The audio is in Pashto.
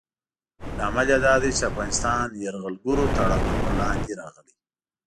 لامل یې دا دی چې افغانستان یرغلګرو تاړاکونو لاندې راغلی.